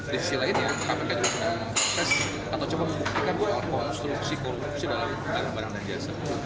di sisi lainnya kpk juga sedang proses atau coba membuktikan bahwa konstruksi konstruksi dalam barang barang yang biasa